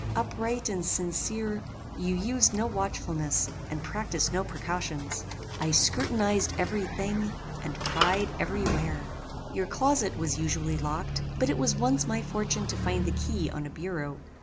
Upright and sincere, you used no watchfulness, and practised no precautions. I scrutinized every thing, and pried every where. Your closet was usually locked, but it was once my fortune to find the key on a bureau.